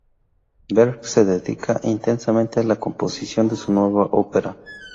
Berg se dedicaba intensamente a la composición de su nueva ópera.